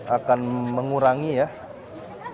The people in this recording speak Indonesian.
akan mengurangi kesehatan kita